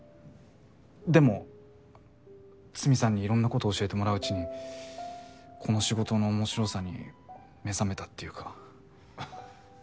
でも筒見さんにいろんなこと教えてもらううちにこの仕事の面白さに目覚めたっていうか。